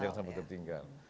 jangan sampai tertinggal